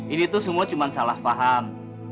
ini tuh semua cuma salah paham